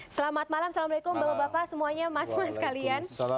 selamat malam assalamualaikum bapak bapak semuanya mas mas kalian